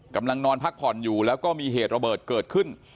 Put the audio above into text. กำลังนอนพักผ่อนอยู่แล้วก็มีเหตุระเบิดเกิดขึ้น